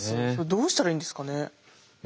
どうしたらいいんですか？